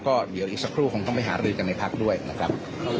ก็เดี๋ยวอีกสักครู่คงต้องไปหารือกันในพักด้วยนะครับ